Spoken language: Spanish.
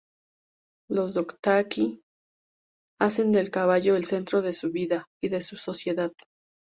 Los Dothraki hacen del caballo el centro de su vida y de su sociedad.